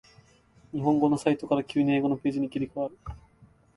日本語のサイトから急に英語のページに切り替わる